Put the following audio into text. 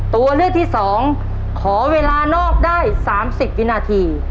ตัวเลือกที่๒ขอเวลานอกได้๓๐วินาที